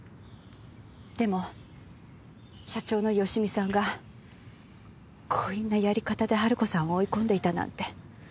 でも社長の芳美さんが強引なやり方で春子さんを追い込んでいたなんて。